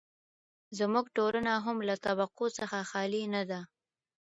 زموږ ټولنه هم له طبقو څخه خالي نه ده.